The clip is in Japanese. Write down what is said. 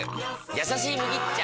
「やさしい麦茶」！